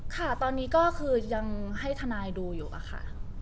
ค่ะตอนนี้ก็คือยังให้ทนายดูอยู่อะค่ะ